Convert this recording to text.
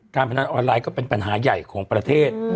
พนันออนไลน์ก็เป็นปัญหาใหญ่ของประเทศ